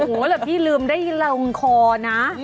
โอ้โหแต่พี่ลืมได้ลงคอนะ